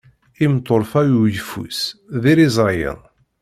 Imeṭṭurfa uyeffus d iriẓriyen.